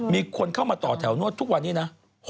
มีคนเข้ามาต่อแถวนวดทุกวันนี้นะ